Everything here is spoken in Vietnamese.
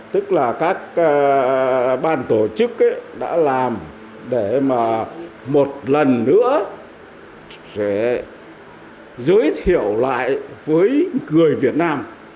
tức là các ban tổ chức đã làm để mà một lần nữa giới thiệu lại với người việt nam